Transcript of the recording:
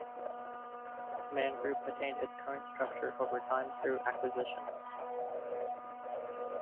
Man Group attained its current structure over time through acquisition.